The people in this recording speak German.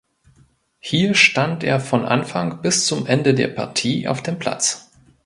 Hier stand er von Anfang bis zum Ende der Partie auf dem Platz.